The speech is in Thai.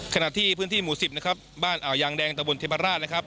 ขณะที่พื้นที่หมู่๑๐นะครับบ้านอ่าวยางแดงตะบนเทพราชนะครับ